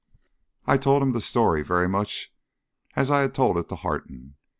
I told him the story very much as I had told it to Harton.